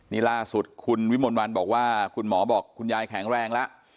นี่ล่าสุดคุณวิมลวันบอกว่าคุณหมอบอกคุณยายแข็งแรงแล้ว